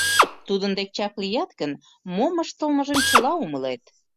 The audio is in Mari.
Тудын дек чак лият гын, мом ыштылмыжым чыла умылет.